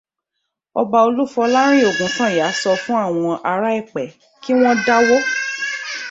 Ọba Olúfọlárìn Ògúnsànyà sọ fún àwọn ará Ẹ̀pẹ́ kí wọ́n dáwó